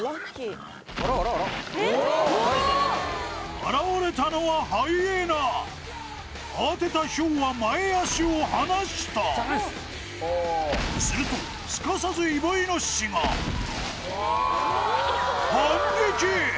現れたのはハイエナ慌てたヒョウは前脚を離したするとすかさずイボイノシシが反撃！